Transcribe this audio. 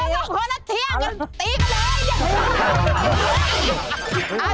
เธอสองคนน่ะเที่ยงกันตีกเลย